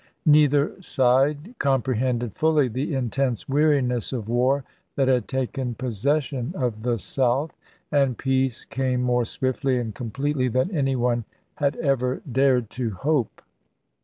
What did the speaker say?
Neither side comprehended fully ch. xvn. the intense weariness of war that had taken posses sion of the South; and peace came more swiftly and completely than any one had ever dared to hope.